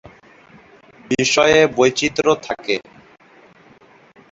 বিষয়ে বৈচিত্র্য থাকে।